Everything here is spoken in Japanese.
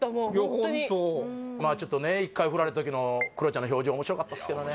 ホントにまあちょっとね１回振られた時のクロちゃんの表情面白かったっすけどね